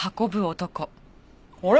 あれ？